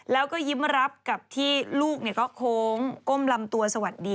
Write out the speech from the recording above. แล้วก็ยิ้มรับกับที่ลูกก็โค้งก้มลำตัวสวัสดี